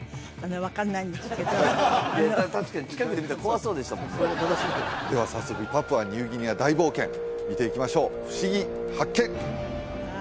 確かに近くで見たら怖そうでしたもんねでは早速パプアニューギニア大冒険見ていきましょうふしぎ発見！